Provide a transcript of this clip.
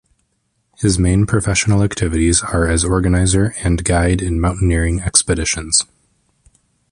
His main professional activities are as organizer and guide in mountaineering expeditions.